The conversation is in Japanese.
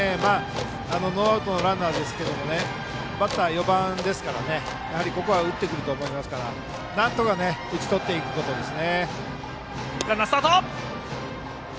ノーアウトのランナーですけどバッターは４番ですからやはり、ここは打ってくると思うのでなんとか打ち取っていくことです。